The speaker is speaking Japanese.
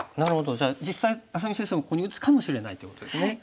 じゃあ実際愛咲美先生もここに打つかもしれないということですね。